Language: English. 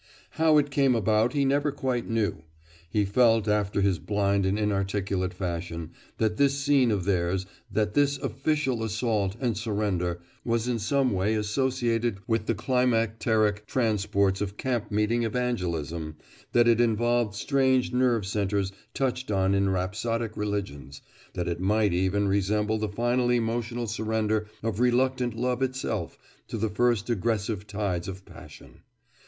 How it came about he never quite knew. He felt, after his blind and inarticulate fashion, that this scene of theirs, that this official assault and surrender, was in some way associated with the climacteric transports of camp meeting evangelism, that it involved strange nerve centers touched on in rhapsodic religions, that it might even resemble the final emotional surrender of reluctant love itself to the first aggressive tides of passion.